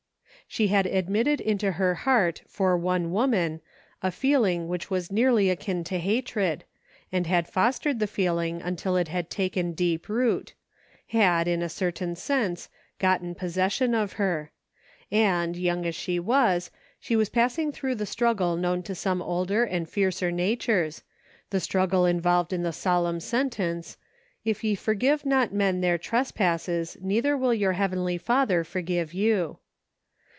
She had admitted into her heart for one woman a feeling which was nearly akin to hatred, and had fostered the feeling until it had taken deep root — had, in a certain sense, gotten possession of her ; and, young as she was, she was passing through the struggle known to some older and fiercer nat ures — the struggle involved in the solemn sen tence, " If ye forgive not men their trespasses, neither will your Heavenly Father forgive you."